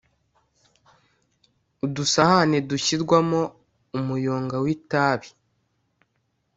udusahane dushyirwamo umuyonga w’itabi